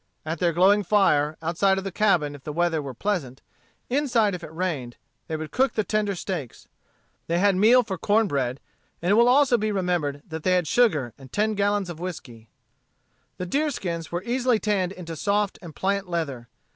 At their glowing fire, outside of the cabin if the weather were pleasant, inside if it rained, they would cook the tender steaks. They had meal for corn bread; and it will also be remembered that they had sugar, and ten gallons of whiskey. The deerskins were easily tanned into soft and pliant leather.